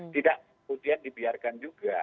tidak kemudian dibiarkan juga